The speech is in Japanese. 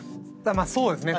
まあそうですね。